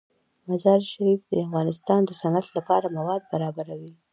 مزارشریف د افغانستان د صنعت لپاره مواد برابروي.